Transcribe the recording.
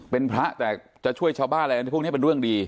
เป็นพระแต่จะช่วยชาวบ้านอะไรพวกนี้เป็นเรื่องดี